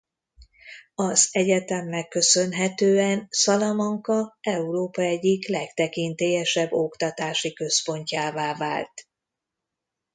Az egyetemnek köszönhetően Salamanca Európa egyik legtekintélyesebb oktatási központjává vált.